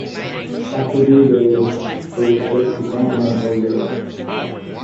After D-Day, they were shipped to Continental Europe.